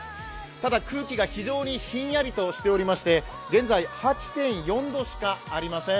ただ、空気が非常にひんやりとしておりまして現在、８．４度しかありません。